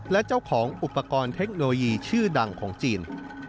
และเจ้าของอุปกรณ์เทคโนโลยีชื่อดังของจีน